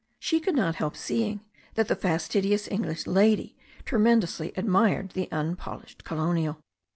She could not help seeing that the fastidious English lady tremen dously admired the unpolished colonial.